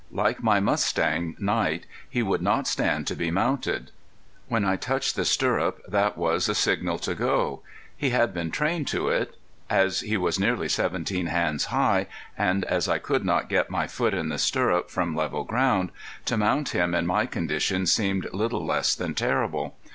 Like my mustang, Night, he would not stand to be mounted. When I touched the stirrup that was a signal to go. He had been trained to it. As he was nearly seventeen hands high, and as I could not get my foot in the stirrup from level ground, to mount him in my condition seemed little less than terrible.